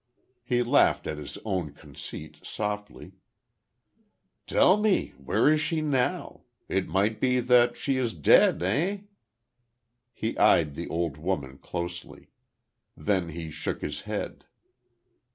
He laughed at his own conceit, softly. "Tell me, where is she now? It might be that she is dead, eh?" He eyed the old woman, closely; then he shook his head.